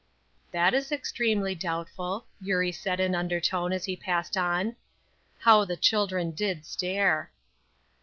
"That is extremely doubtful," Eurie said, in undertone, as he passed on. How the children did stare!